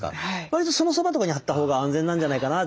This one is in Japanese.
わりとそのそばとかに張った方が安全なんじゃないかな